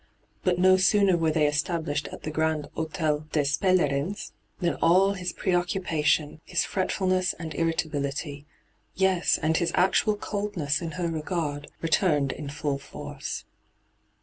But no sooner were they established at the Grand Hdtel des P^lerins, than all his preoccupation, his fretfulnesB and irritability — yes, and his actual coldness in her r^ard — returned in fiill force.